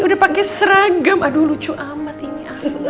udah pakai seragam aduh lucu amat ini